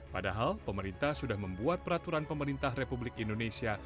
padahal pemerintah sudah membuat peraturan pemerintah republik indonesia